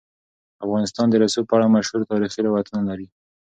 افغانستان د رسوب په اړه مشهور تاریخی روایتونه لري.